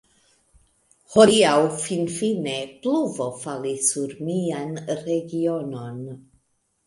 Hodiaŭ, finfine, pluvo falis sur mian regionon.